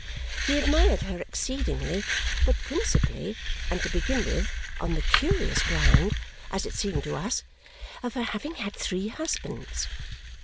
He admired her exceedingly, but principally, and to begin with, on the curious ground (as it seemed to us) of her having had three husbands.